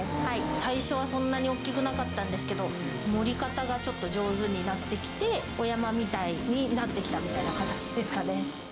最初はそんなに大きくなかったんですけど、盛り方がちょっと上手になってきて、小山みたいになってきたみたいな感じですかね。